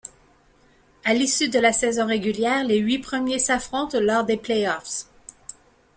À l'issue de la saison régulière, les huit premiers s'affrontent lors des playoffs.